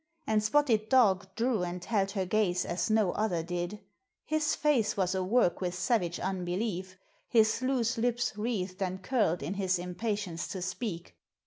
And Spotted Dog drew and held her gaze as no other did; his face was awork with savage unbelief, his loose lips wreathed and curled in his impatience to speak.